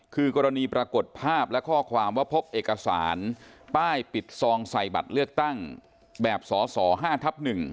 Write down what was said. คือกรณีปรากฏภาพและข้อความว่าพบเอกสารป้ายปิดซองใส่บัตรเลือกตั้งแบบสส๕ทับ๑